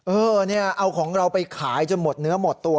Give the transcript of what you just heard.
เออเนี่ยเอาของเราไปขายจนหมดเนื้อหมดตัว